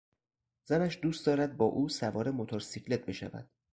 زنش دوست دارد با او سوار موتورسیکلت بشود.